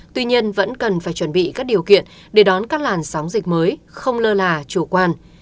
tuy nhiên vẫn cần phải chuẩn bị các điều kiện để đón các làn sóng dịch mới không lơ là chủ quan